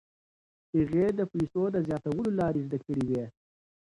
هغې د پیسو د زیاتولو لارې زده کړې وې.